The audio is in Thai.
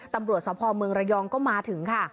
ตำรวจสภเมืองระยองก็มาถึงค่ะ